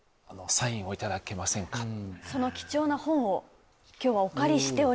その貴重な本を今日はお借りしております